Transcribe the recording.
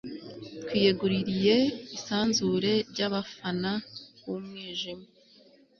twiyeguriye isanzure ry'abafana b'umwijima